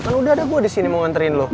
kan udah ada gue di sini mau nganterin lo